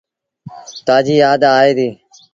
تآجيٚ يآد آئي دي۔